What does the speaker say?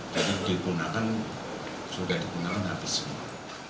jadi sudah digunakan habis semua